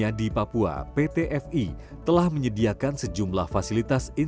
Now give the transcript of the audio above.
ada tindakan panggilan